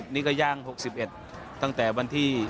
นี่ก็ย่าง๖๑ตั้งแต่วันที่